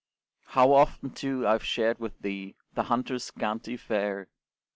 How often, too, I we shared with thee The hunter's scanty fare.